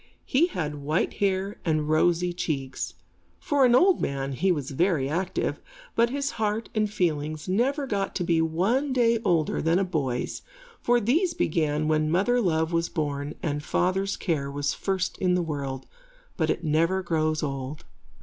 He had white hair and rosy cheeks. For an old man, he was very active, but his heart and feelings never got to be one day older than a boy's, for these began when mother love was born and father's care was first in the world, but it never grows old.